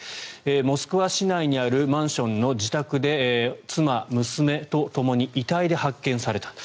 モスクワ市内にあるマンションの自宅で妻、娘とともに遺体で発見された。